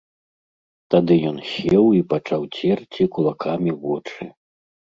Тады ён сеў і пачаў церці кулакамі вочы.